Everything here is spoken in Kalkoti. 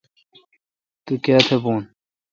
تو کیا تھہ بون۔